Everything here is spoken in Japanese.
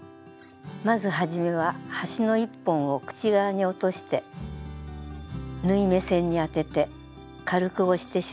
まず初めは端の１本を口側に落として縫い目線に当てて軽く押して印をつけます。